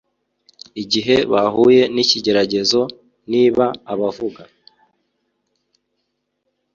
igihe bahuye n’ikigeragezo. Niba abavuga